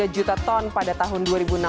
tiga juta ton pada tahun dua ribu enam belas